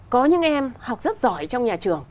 có những em học rất giỏi trong nhà trường